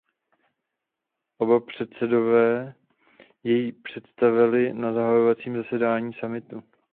Oba předsedové jej představili na zahajovacím zasedání summitu.